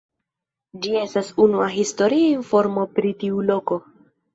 Ĝi estas unua historia informo pri tiu loko.